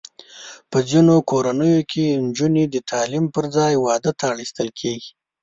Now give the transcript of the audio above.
په ځینو کورنیو کې نجونې د تعلیم پر ځای واده ته اړ ایستل کېږي.